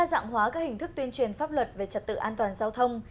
đa dạng hóa các hình thức tuyên truyền pháp luật về trật tự an toàn giao thông